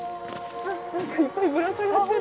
何かいっぱいぶら下がってる。